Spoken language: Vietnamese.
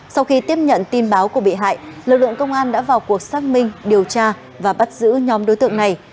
sau khi tiếp nhận tin báo của bị hại lực lượng công an đã vào cuộc xác minh điều tra và bắt giữ nhóm đối tượng này